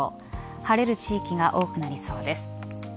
晴れる地域が多くなりそうです。